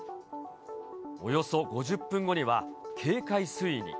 およそ５０分後には、警戒水位に。